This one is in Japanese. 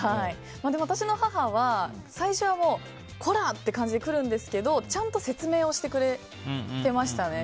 私の母は、最初はこら！って感じでくるんですけどちゃんと説明してくれてましたね。